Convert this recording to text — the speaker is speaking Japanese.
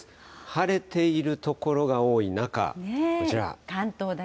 晴れている所が多い中、こちら。